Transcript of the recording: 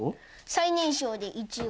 最年少で、一応。